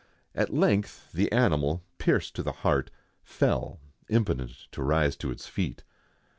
At length the animal, pierced to the heart, fell, impotent to rise to its feet.